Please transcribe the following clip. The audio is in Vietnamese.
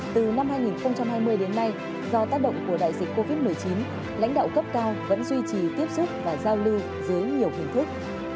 từ năm hai nghìn hai mươi đến nay do tác động của đại dịch covid một mươi chín lãnh đạo cấp cao vẫn duy trì tiếp xúc và giao lưu dưới nhiều hình thức